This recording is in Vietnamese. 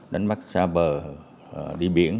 đánh bắt xa bờ đi biển